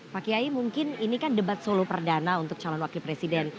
pak kiai mungkin ini kan debat solo perdana untuk calon wakil presiden